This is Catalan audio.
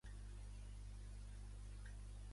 Relativa als ressons més literaturitzats per don Umberto.